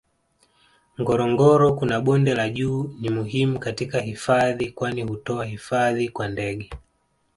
Ngorongoro kuna Bonde la juu ni muhimu katika hifadhi kwani hutoa hifadhi kwa ndege